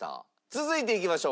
続いていきましょう。